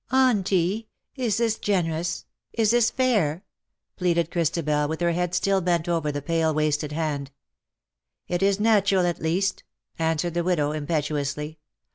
" Auntie, is this gcnerouS; is this fair ?" pleaded LOVES YOU AS OF OLD." 97 Christabel, with her head still bent over the pale wasted hand. " It is natural at least/^ answered the widow, impetuously.